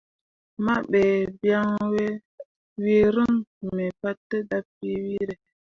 Mahɓe biaŋ wee reŋ mi pate dapii weere.